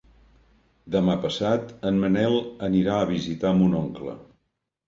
Demà passat en Manel anirà a visitar mon oncle.